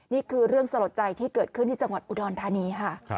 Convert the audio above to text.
นี่คือเรื่องสลดใจที่เกิดขึ้นที่จังหวัดอุดรธานีค่ะ